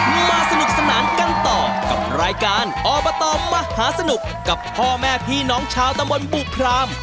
มาสนุกสนานกันต่อกับรายการอบตมหาสนุกกับพ่อแม่พี่น้องชาวตำบลบุพราม